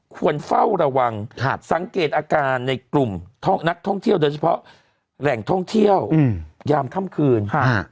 ควรเฝ้าระวังสังเกตอาการในกลุ่มนักท่องเที่ยวโดยเฉพาะแหล่งท่องเที่ยวยามค่ำคืน